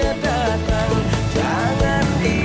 eh apa dah dah dah